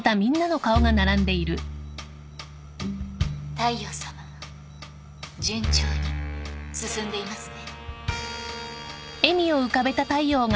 大陽さま順調に進んでいますね。